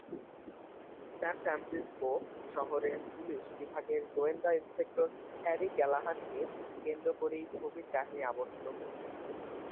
স্যান Francisco police বিভাগের গোয়েন্দা inspector "Harry ক্যালাহান"-কে কেন্দ্র করেই ছবির কাহিনী আবর্তিত হয়েছে।